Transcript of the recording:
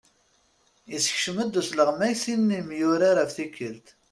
Issekcem-d usleɣmay sin n yemyurar ef tikelt.